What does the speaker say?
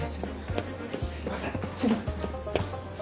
すいませんすいません。